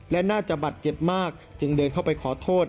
และน่าจะบาดเจ็บมากจึงเดินเข้าไปขอโทษ